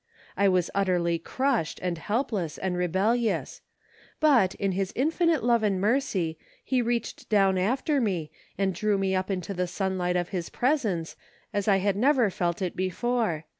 I was utterly crushed, and helpless, and rebellious ; but, in his infinite love and mercy, he reached down after me and drew me up into the sunlight of his presence, as I had never felt it before.